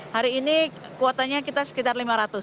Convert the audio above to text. hari ini kuotanya kita sekitar lima ratus